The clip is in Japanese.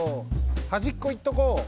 はじっこいっとこう。